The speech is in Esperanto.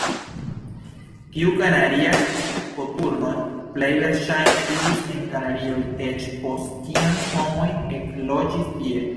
Tiu Kanaria koturno plej verŝajne vivis en Kanarioj eĉ post kiam homoj ekloĝis tie.